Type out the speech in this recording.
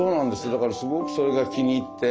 だからすごくそれが気に入って。